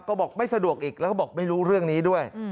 ก็บอกไม่สะดวกอีกแล้วก็บอกไม่รู้เรื่องนี้ด้วย